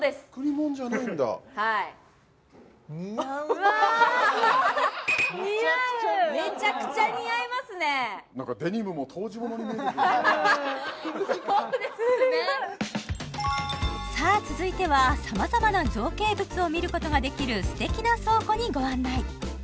めちゃくちゃ似合うめちゃくちゃ似合いますねそうですねすごいさあ続いてはさまざまな造形物を見ることができるすてきな倉庫にご案内